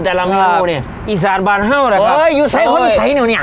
แต่ลำนี่อีสานบ้านเฮ่าล่ะครับเฮ้ยอยู่ใส่คนใสเนี่ยเนี่ย